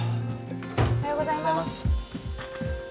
おはようございます。